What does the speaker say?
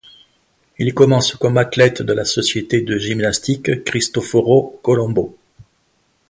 Il commence comme athlète de la Société de gymnastique Cristoforo Colombo.